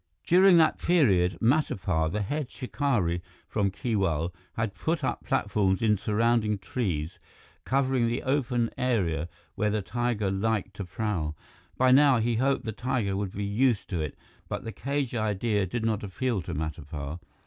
During that period, Matapar, the head Shikari from Keewal, had put up platforms in surrounding trees, covering the open area where the tiger liked to prowl. By now, he hoped the tiger would be used to it, but the cage idea did not appeal to Matapar.